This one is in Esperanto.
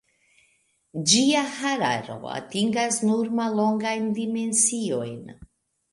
Ĝia hararo atingas nur mallongajn dimensiojn.